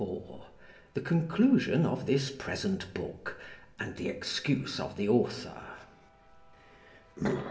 XXXIV. The conclusion of this present book, and the excuse of the author.